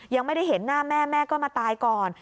ยังไม่ได้เห็นหน้าแม่แม่ก็มาตายก่อน